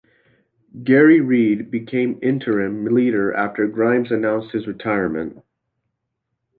Gerry Reid became interim leader after Grimes announced his retirement.